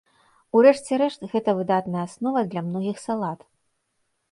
У рэшце рэшт, гэта выдатная аснова для многіх салат.